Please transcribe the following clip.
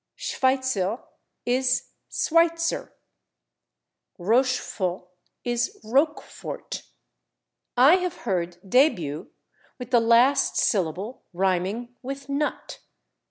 /Schweizer/ is /swite ser/. /Rochefort/ is /roke fort/. I have heard /début/ with the last syllable rhyming with /nut